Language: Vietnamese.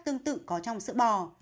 tương tự có trong sữa bò